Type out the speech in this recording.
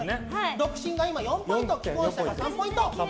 独身が今４ポイント既婚者が３ポイント。